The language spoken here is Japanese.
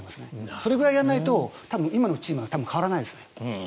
それくらいやらないと今のチームは変わらないですね。